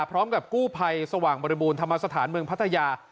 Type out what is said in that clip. พร้อมกับกู้ภัยสว่างบริบูรณธรรมสถานเมืองพัทยา